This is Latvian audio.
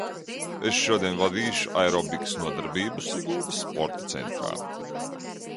Es šodien vadīšu aerobikas nodarbību Siguldas sporta centrā.